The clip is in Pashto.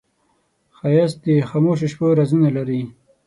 ښایست د خاموشو شپو رازونه لري